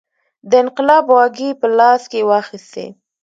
د انقلاب واګې په لاس کې واخیستې.